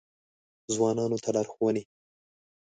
ځوانانو ته لارښوونې: